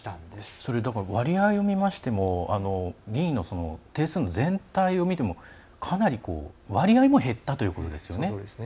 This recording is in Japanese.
それは、だから割合を見ましても定数の全体を見てもかなり割合も減ったということですね。